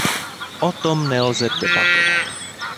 O tom nelze debatovat.